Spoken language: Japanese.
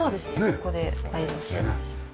ここでアイロンしてます。